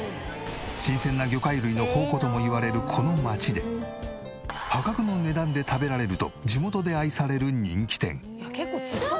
新鮮な魚介類の宝庫ともいわれるこの街で破格の値段で食べられると地元で愛される人気店。